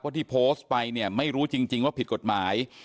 ที่โพสต์ไปเนี่ยไม่รู้จริงว่าผิดกฎหมาย